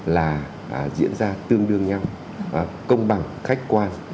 là diễn ra tương đương nhau công bằng khách quan